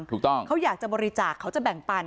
ถูกต้องเขาอยากจะบริจาคเขาจะแบ่งปัน